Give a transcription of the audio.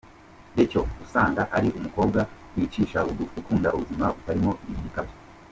Rachel usanga ari umukobwa wicisha bugufi, ukunda ubuzima butarimo ibikabyo.